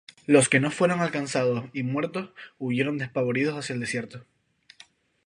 Los que no fueron alcanzados y muertos huyeron despavoridos hacia el desierto.